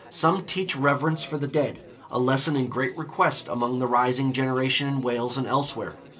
Some teach reverence for the dead, a lesson in great request among the rising generation in Wales and elsewhere.